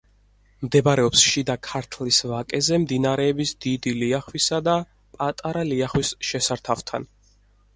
მდებარეობს შიდა ქართლის ვაკეზე მდინარეების დიდი ლიახვისა და პატარა ლიახვის შესართავთან.